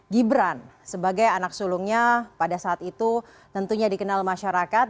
gibran sebagai anak sulungnya pada saat itu tentunya dikenal masyarakat